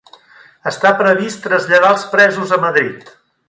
Està previst traslladar els presos a Madrid